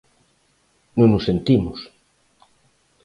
Non o sentimos.